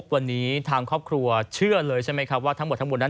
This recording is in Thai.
วันนี้ทางครอบครัวเชื่อเลยทั้งหมดทั้งหมวนนั้น